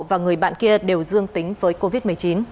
và người bạn kia đều dương tính với covid một mươi chín